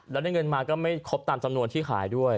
แล้วได้เงินมาก็ไม่ครบตามจำนวนที่ขายด้วย